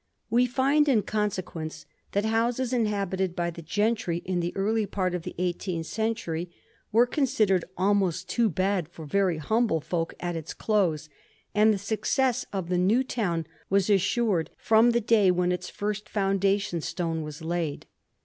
We find, in conse quence, that houses inhabited by the gentry in the early part of the eighteenth century were considered almost too bad for very humble folk at its close, and the success of the new town was assured from the day when its first foundation stone was laid.